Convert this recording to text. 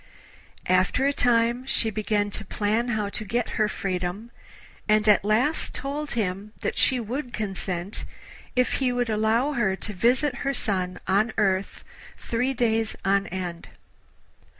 After a time she began to plan how to get her freedom, and at last told him that she would consent if he would allow her to visit her son on earth three days on end.